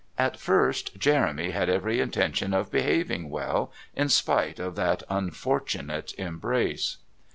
At first Jeremy had every intention of behaving well, in spite of that unfortunate embrace.